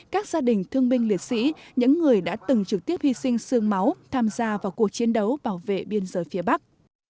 các gia đình thương binh liệt sĩ những người đã từng trực tiếp hy sinh sương máu tham gia vào cuộc chiến đấu bảo vệ biên giới phía bắc